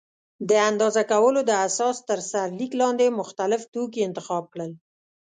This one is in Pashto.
د اندازه کولو د اساس تر سرلیک لاندې مختلف توکي انتخاب کړل.